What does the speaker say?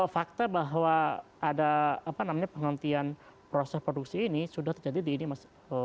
fakta bahwa ada penghentian proses produksi ini sudah terjadi di ini mas